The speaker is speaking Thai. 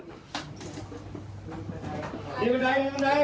ติ๊บใด